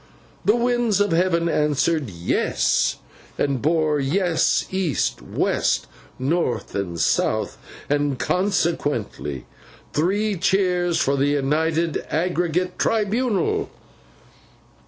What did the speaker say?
The winds of heaven answered Yes; and bore Yes, east, west, north, and south. And consequently three cheers for the United Aggregate Tribunal!